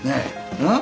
うん？